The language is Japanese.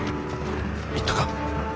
行ったか？